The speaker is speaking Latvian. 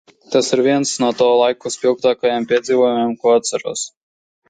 Tas ir viens no to laiku spilgtākajiem piedzīvojumiem, ko atceros.